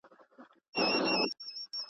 غاړه بنده وزرونه زولانه سوه `